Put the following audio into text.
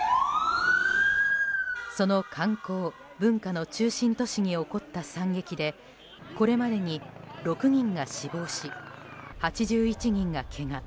その観光・文化の中心都市に起こった惨劇でこれまでに６人が死亡し８１人がけが。